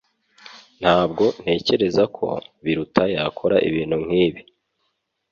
Ntabwo ntekereza ko Biruta yakora ibintu nkibi